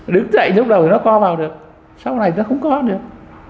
đứng dậy lúc đầu thì nó co vào được sau này nó không co được